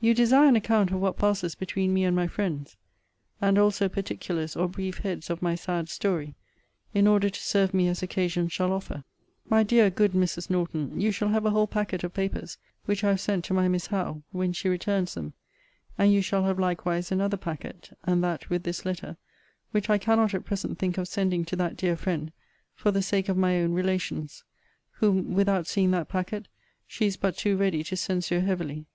You desire an account of what passes between me and my friends; and also particulars or brief heads of my sad story, in order to serve me as occasion shall offer. My dear good Mrs. Norton, you shall have a whole packet of papers, which I have sent to my Miss Howe, when she returns them; and you shall have likewise another packet, (and that with this letter,) which I cannot at present think of sending to that dear friend for the sake of my own relations; whom, without seeing that packet, she is but too ready to censure heavily.